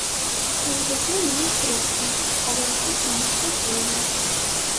Сваіх дзяцей мы не хрысцім, але растуць яны шчаслівыя.